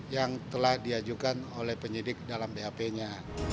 yang telah diajukan oleh penyidik dalam bap nya